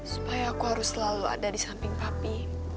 supaya aku harus selalu ada disamping papi